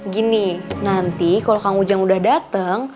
gini nanti kalau kang ujang udah dateng